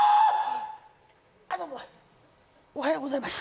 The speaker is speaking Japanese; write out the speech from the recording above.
あっ、どうも、おはようございます。